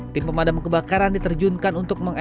tim pemadam kebakaran diterjunkan untuk mengembangkan